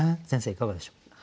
先生いかがでしょう？